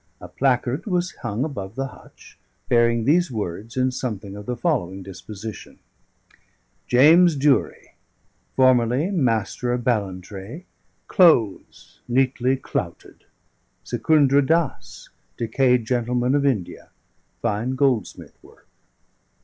A placard was hung above the hutch, bearing these words in something of the following disposition: JAMES DURIE, FORMERLY MASTER OF BALLANTRAE. CLOTHES NEATLY CLOUTED. ______ SECUNDRA DASS, DECAYED GENTLEMAN OF INDIA. FINE GOLDSMITH WORK.